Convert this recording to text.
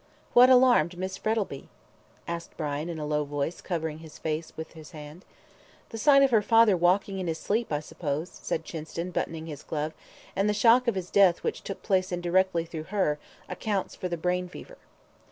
"What alarmed Miss Frettlby?" asked Brian, in a low voice, covering his face with his hand. "The sight of her father walking in his sleep, I suppose," said Chinston, buttoning his glove; "and the shock of his death which took place indirectly through her, accounts for the brain fever."